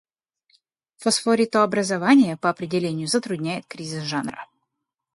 Фосфоритообразование, по определению, затрудняет кризис жанра.